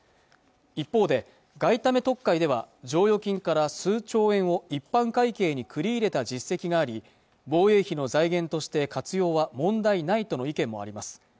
一方で外為特会では剰余金から数兆円を一般会計に繰り入れた実績があり防衛費の財源として活用は問題ないとの意見もあります